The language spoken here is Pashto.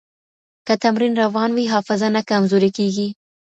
که تمرین روان وي، حافظه نه کمزورې کېږي.